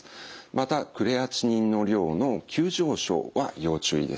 またクレアチニンの量の急上昇は要注意です。